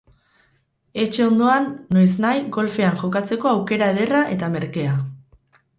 Etxe ondoan, noiznahi, golfean jokatzeko aukera ederra eta merkea.